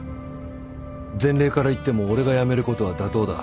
前例からいっても俺が辞めることは妥当だ。